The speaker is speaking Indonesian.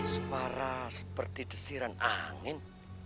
supara seperti desiran angin